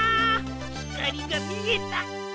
ひかりがみえた！